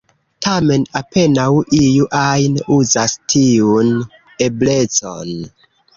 Tamen apenaŭ iu ajn uzas tiun eblecon.